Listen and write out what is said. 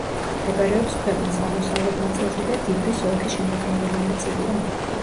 მდებარეობს ქვეყნის აღმოსავლეთ ნაწილში და დიბრის ოლქის შემადგენელი ნაწილია.